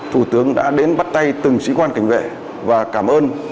thủ tướng đã đến bắt tay từng sĩ quan cảnh vệ và cảm ơn